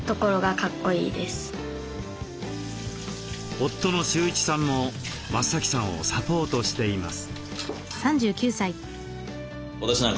夫の秀一さんも増さんをサポートしています。